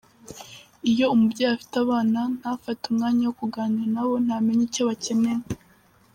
Iyo umubyeyi afite abana, ntafate umwanya wo kuganira nabo, ntamenya icyo bakeneye.